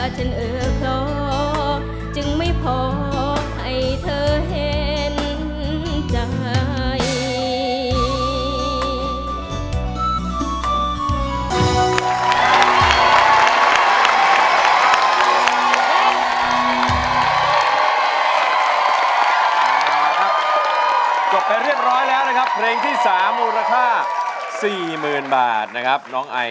จึงไม่เข้าใจคนรอ